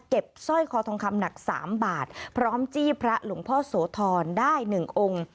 สร้อยคอทองคำหนัก๓บาทพร้อมจี้พระหลวงพ่อโสธรได้๑องค์